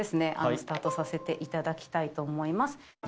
スタートさせていただきたいと思います。